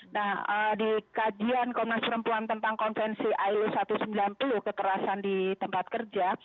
nah di kajian komnas perempuan tentang konvensi ilo satu ratus sembilan puluh kekerasan di tempat kerja